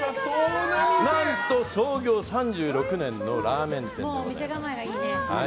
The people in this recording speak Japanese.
何と創業３６年のラーメン店でございます。